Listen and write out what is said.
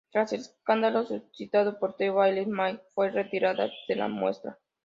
Tras el escándalo suscitado por "The Daily Mail", fue retirada de la muestra.